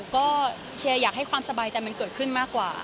ก็เชียร์อยากให้ความสบายใจมันเกิดขึ้นมากกว่า